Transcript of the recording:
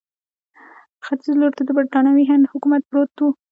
ختیځ لوري ته د برټانوي هند حکومت پروت وو.